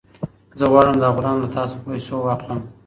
زه غواړم دا غلام له تا څخه په پیسو واخیستم.